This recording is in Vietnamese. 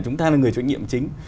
chúng ta là người trách nhiệm chính